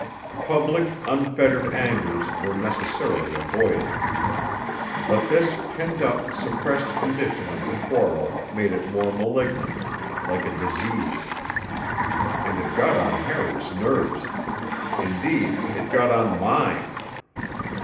Public, unfettered angers were necessarily avoided. But this pent up, suppressed condition of the quarrel made it more malignant, like a disease. And it got on Harry's nerves; indeed, it got on mine.